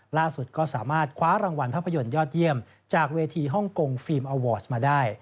ล่าสุดก็สามารถคว้ารางวัลภาพยนตร์ยอดเยี่ยมจากเวทีฮ่องกงฟิล์มอวอร์ชมาได้